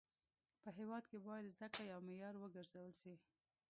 په هيواد کي باید زده کړه يو معيار و ګرځول سي.